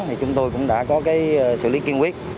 thì chúng tôi cũng đã có cái xử lý kiên quyết